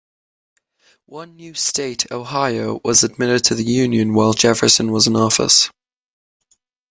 One new state, Ohio, was admitted to the Union while Jefferson was in office.